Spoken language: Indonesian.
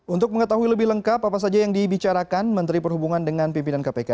untuk mengetahui lebih lengkap apa saja yang dibicarakan menteri perhubungan dengan pimpinan kpk